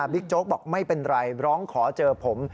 โจ๊กบอกไม่เป็นไรร้องขอเจอผม